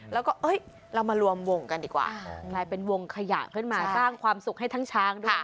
แล้วก็เรามารวมวงกันดีกว่ากลายเป็นวงขยะขึ้นมาสร้างความสุขให้ทั้งช้างด้วย